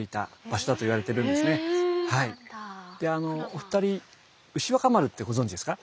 お二人牛若丸ってご存じですか？